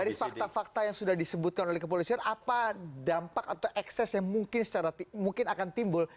dari fakta fakta yang sudah disebutkan oleh kepolisian